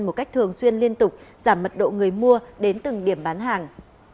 một cách thường xuyên liên tục giảm mật độ người mua đến từng điểm bán hàng